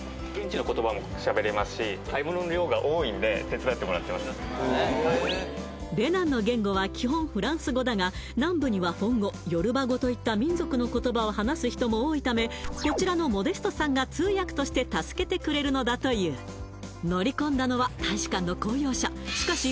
こちらベナンの言語は基本フランス語だが南部にはフォン語ヨルバ語といった民族の言葉を話す人も多いためこちらのモデストさんが通訳として助けてくれるのだという乗り込んだのは大使館の公用車しかし